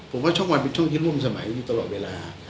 ผมว่าช่องวันเป็นช่วงที่ร่วมสมัยอยู่ตลอดเวลา